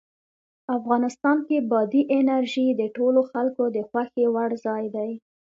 افغانستان کې بادي انرژي د ټولو خلکو د خوښې وړ ځای دی.